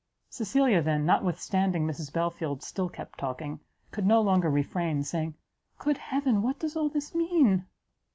Cecilia then, notwithstanding Mrs Belfield still kept talking, could no longer refrain saying, "Good heaven, what does all this mean?"